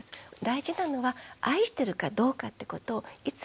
大事なのは愛してるかどうかってことをいつも問い直すこと。